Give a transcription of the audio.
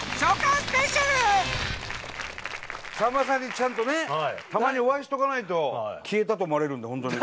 さんまさんにちゃんとねたまにお会いしとかないと消えたと思われるんでホントに。